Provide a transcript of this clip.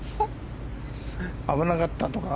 危なかったとか？